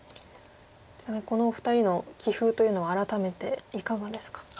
ちなみにこのお二人の棋風というのは改めていかがですか？